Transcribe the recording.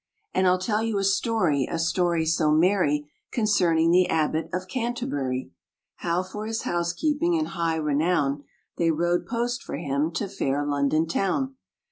And I'll tell you a story, a story so merry, Concerning the Abbot of Canterbury; How for his house keeping and high renown, They rode post for him to fair London town.